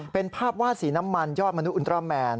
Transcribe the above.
เป็นภาพวาดสีน้ำมันยอดมนุษราแมน